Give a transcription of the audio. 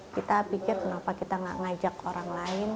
kita pikir kenapa kita gak ngajak orang lain